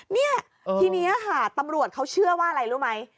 เนี่ยทีนี้ค่ะตำรวจเขาเชื่อว่าอะไรรู้ไหม